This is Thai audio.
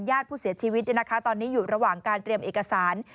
ญาติผู้เสียชีวิตตอนนี้อยู่ระหว่างการเตรียมเอกสาร